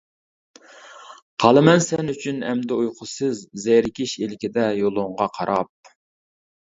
قالىمەن سەن ئۈچۈن ئەمدى ئۇيقۇسىز، زېرىكىش ئىلكىدە يولۇڭغا قاراپ.